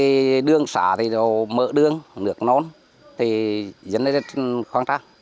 thì đường xã thì mỡ đường nước nôn thì dân ở đây rất khoan trang